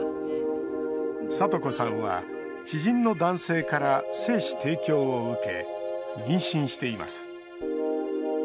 さと子さんは知人の男性から精子提供を受け妊娠しています。